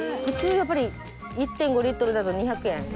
普通やっぱり１．５リットルだと２００円。